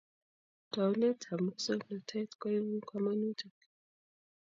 Taunet ab musongnotet koibu kamanutik.